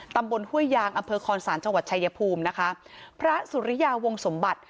ห้วยยางอำเภอคอนศาลจังหวัดชายภูมินะคะพระสุริยาวงสมบัติ